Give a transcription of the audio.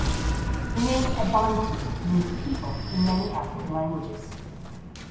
The name "Abantu" means "people" in many African languages.